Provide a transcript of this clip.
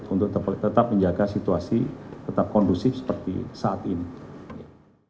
untuk tetap menjaga situasi tetap kondusif seperti saat ini